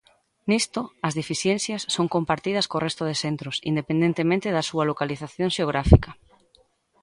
Nisto, as deficiencias son compartidas co resto de centros, independentemente da súa localización xeográfica.